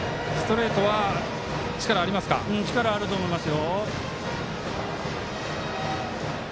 力あると思います。